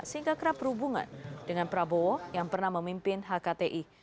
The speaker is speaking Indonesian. sehingga kerap berhubungan dengan prabowo yang pernah memimpin hkti